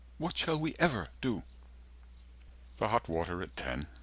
"What shall we ever do?" The hot water at ten.